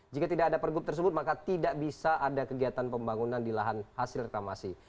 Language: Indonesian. jika tidak ada pergub tersebut maka tidak bisa ada kegiatan pembangunan di lahan hasil reklamasi